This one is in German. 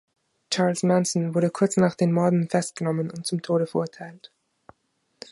Charles Manson wurde kurz nach den Morden festgenommen und zum Tode verurteilt.